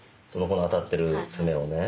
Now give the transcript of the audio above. この当たってる爪をね。